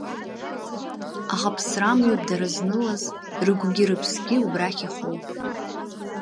Аха ԥсрамҩоуп дара знылаз, рыгәгьы рыԥсгьы убрахь ихоуп…